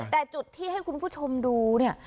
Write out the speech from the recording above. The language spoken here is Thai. แต่จุดที่ให้คุณผู้ชมดูเนี่ย